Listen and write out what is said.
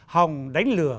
hòng đánh lừa